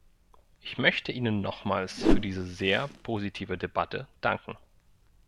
Ich möchte Ihnen nochmals für diese sehr positive Debatte danken.